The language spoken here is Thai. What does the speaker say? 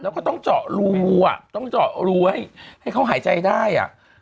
แล้วก็ต้องเจาะรูอ่ะต้องเจาะรูให้ให้เขาหายใจได้อ่ะ